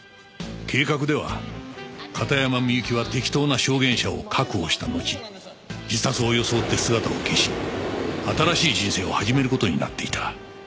計画では片山みゆきは適当な証言者を確保したのち自殺を装って姿を消し新しい人生を始める事になっていた。